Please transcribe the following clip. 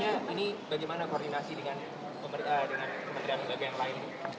akhirnya ini bagaimana koordinasi dengan pemerintahan yang lain